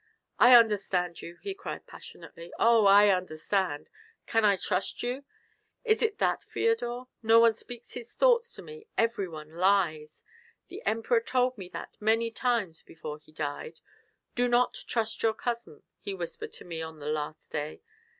"I understand you," he cried passionately. "Oh, I understand! Can I trust you? It is that, Feodor. No one speaks his thoughts to me; every one lies. The Emperor told me that many times before he died. 'Do not trust your cousin,' he whispered to me on the last day.